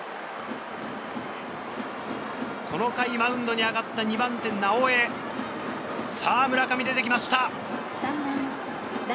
この回、マウンドに上がった２番手・直江、さぁ、村上、出てきました。